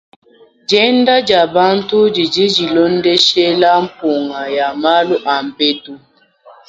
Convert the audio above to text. Dienda dia bantu didi dilondeshila mpunga ya malu a mpetu.